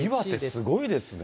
岩手すごいですね。